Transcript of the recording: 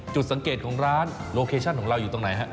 จุดสังเกตของร้านโลเคชั่นของเราอยู่ตรงไหนฮะ